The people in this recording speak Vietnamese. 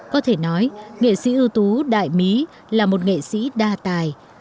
có thể nói nghệ sĩ ưu tú đại mỹ là một nghệ sĩ đa tài